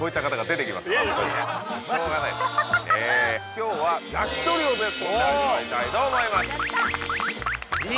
今日は焼き鳥をベスコンで味わいたいと思います